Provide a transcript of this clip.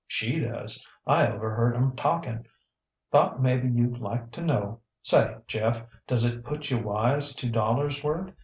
She does. I overheard ŌĆÖem talking. Thought maybe youŌĆÖd like to know. Say, Jeff, does it put you wise two dollarsŌĆÖ worth?